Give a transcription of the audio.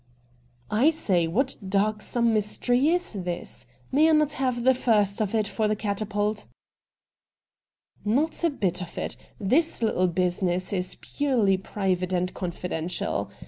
' I say, what darksome mystery is this ? May I not have the first of it for the " Catapult "?' 246 RED DIAMONDS 'Not a bit of it — this little business is purely private and confidential.